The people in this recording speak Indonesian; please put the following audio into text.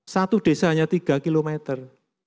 satu desa hanya tiga kilometer